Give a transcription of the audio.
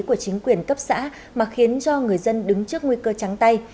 của chính quyền cấp xã mà khiến cho người dân đứng trước nguy cơ trắng tay